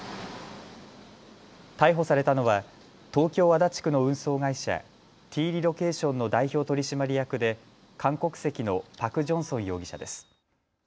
逮捕されたのは東京足立区の運送会社、ＴＲＥＬＯＣＡＴＩＯＮの代表取締役で韓国籍のパク・ジョンソン容疑者です。